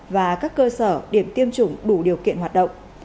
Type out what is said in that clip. và các cơ sở điểm tiêm chủng đủ điều kiện hoạt động